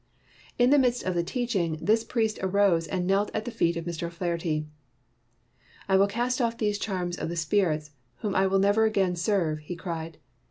In the midst of the teaching, this 159 WHITE MAN OF WORK priest arose and knelt at the feet of Mr. O 'Flaherty. "I will cast off these charms of the spirits, whom I will never again serve," he cried.